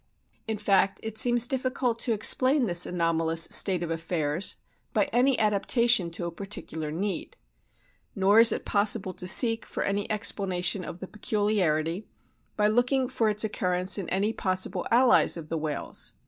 In fact, it seems difficult to explain this anomalous state of affairs by any adaptation to a particular need. Nor is it possible to seek for any explanation of the peculiarity by looking for its occurrence in any possible allies of the whales.